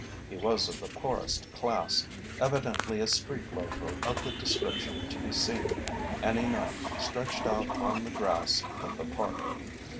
He was of the poorest class, evidently a street loafer of the description to be seen any night stretched out on the grass of the Park.